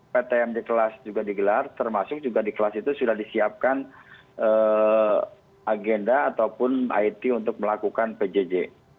ptm di kelas juga digelar termasuk juga di kelas itu sudah disiapkan agenda ataupun it untuk melakukan pjj